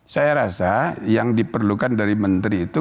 saya rasa yang diperlukan dari menteri itu